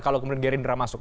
kalau kemudian gerindra masuk